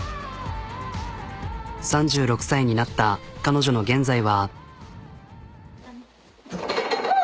３６歳になった彼女の現在は。